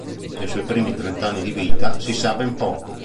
Dei suoi primi trent'anni di vita si sa ben poco.